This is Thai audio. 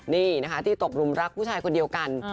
นี่นะคะที่ตกหนุ่มรักผู้ชายคนเดียวกัน